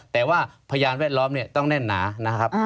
แต่ว่าพยานแวดล้อมต้องแน่นหนา